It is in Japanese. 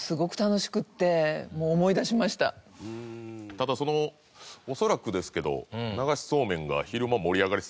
ただその恐らくですけど。